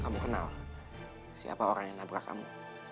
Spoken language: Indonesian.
kamu kenal siapa orang yang nabrak kamu